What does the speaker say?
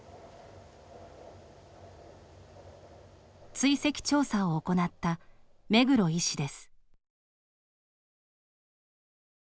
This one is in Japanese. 追跡調査を行った目黒医師です。